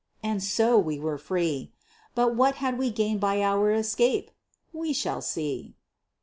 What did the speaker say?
And so we were free! But what had we gained by our escape? We shall see.